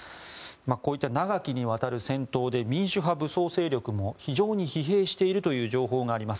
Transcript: こういった長きにわたる戦闘で民主派武装勢力も非常に疲弊しているという情報があります。